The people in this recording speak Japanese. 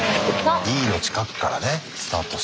Ｅの近くからねスタートして。